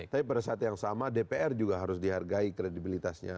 tapi pada saat yang sama dpr juga harus dihargai kredibilitasnya